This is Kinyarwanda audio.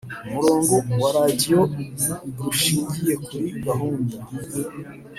umurongo wa radiyo rushingiye kuri gahunda